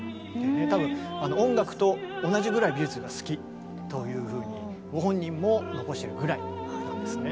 多分音楽と同じぐらい美術が好きというふうにご本人も残しているぐらいなんですね。